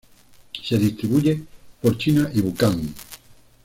Se distribuye por China y Bután.